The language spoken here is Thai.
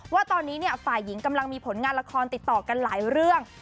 ว่าตอนนี้ฝ่ายหญิงกำลังมีผลงานละครติดต่อกันหลายเรื่อง